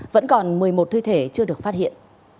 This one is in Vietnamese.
vẫn còn một mươi một thi thể chưa được phát hiện